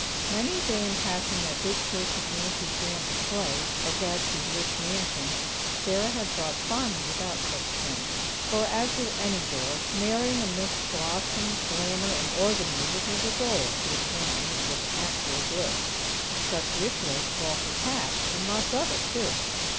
Many a day in passing that big church of Nancy's grand display, or Gadsby's rich mansion, Sarah had thought fondly about such things; for, as with any girl, marrying amidst blossoms, glamour and organ music was a goal, to attain which was actual bliss. But such rituals call for cash; and lots of it, too.